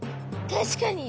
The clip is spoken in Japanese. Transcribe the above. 確かに。